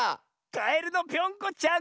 カエルのぴょんこちゃん。